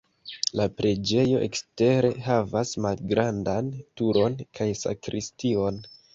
La preĝejo ekstere havas malgrandan turon kaj sakristion.